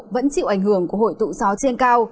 vẫn chịu ảnh hưởng của hội tụ gió trên cao